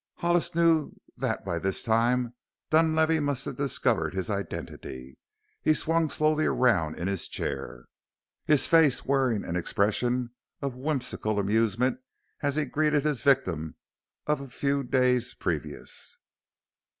Hollis knew that by this time Dunlavey must have discovered his identity. He swung slowly around in his chair, his face wearing an expression of whimsical amusement as he greeted his victim of a few days previous.